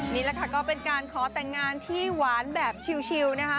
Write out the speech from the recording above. นี่แหละค่ะก็เป็นการขอแต่งงานที่หวานแบบชิลนะคะ